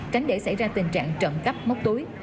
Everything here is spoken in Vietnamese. tránh để xảy ra tình trạng trộm cắp móc túi